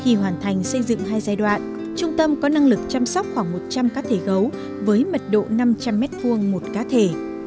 khi hoàn thành xây dựng hai giai đoạn trung tâm có năng lực chăm sóc khoảng một trăm linh cá thể gấu với mật độ năm trăm linh m hai một cá thể